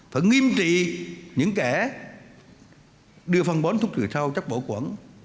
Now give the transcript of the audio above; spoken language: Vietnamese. phải nghiêm trị những kẻ đưa phân bón thuốc trừ rau chất bổ quản